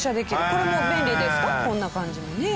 こんな感じにね。